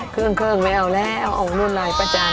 เครื่องไม่เอาแล้วเอาโน้นลายป้าจัน